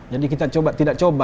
jadi kita tidak coba